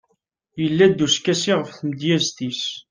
yella-d uskasi ɣef tmedyazt-is